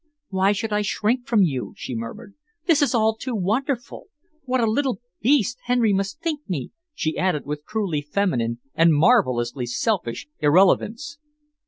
"Why should I shrink from you?" she murmured. "This is all too wonderful! What a little beast Henry must think me!" she added, with truly feminine and marvellously selfish irrelevance.